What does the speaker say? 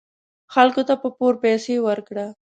خلکو ته په پور پیسې ورکړه .